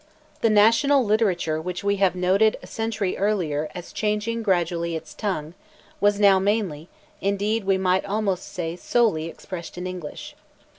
The national literature which we have noted a century earlier, as changing gradually its tongue, was now mainly, indeed we might almost say solely, expressed in English.